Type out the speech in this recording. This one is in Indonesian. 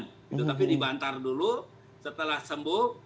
tapi dibantar dulu setelah sembuh